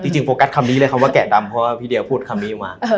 จริงโฟกัสคำนี้เลยคำว่าแกะดำเพราะว่าพี่เดียวพูดคำนี้ออกมา